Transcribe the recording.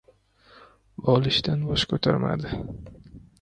Bolishdan bosh ko‘tarmadi.